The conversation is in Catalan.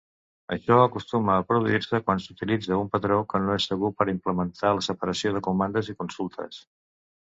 Això acostuma a produir-se quan s'utilitza un patró que no és segur per implementar la separació de comandes i consultes.